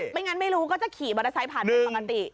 ไม่งั้นไม่รู้ก็จะขี่มอเตอร์ไซส์ผ่านมาข้างหน้า